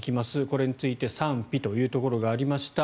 これについて賛否というところがありました。